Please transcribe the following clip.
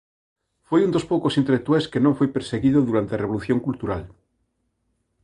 Foi un dos poucos intelectuais que non foi perseguido durante a Revolución Cultural.